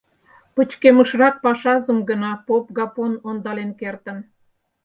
Пычкемышрак пашазым гына поп Гапон ондален кертын.